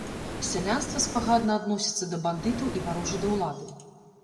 Сялянства спагадна адносіцца да бандытаў і варожа да ўлады.